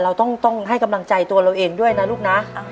เราต้องให้กำลังใจตัวเราเองด้วยนะลูกนะ